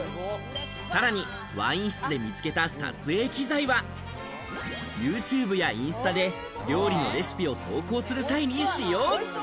さらにワイン室で見つけた撮影機材はユーチューブやインスタで料理のレシピを投稿する際に使用。